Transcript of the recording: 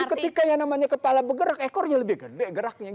ketika yang namanya kepala bergerak ekornya lebih gede geraknya